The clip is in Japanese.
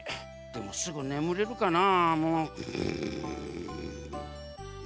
でもすぐねむれるかな。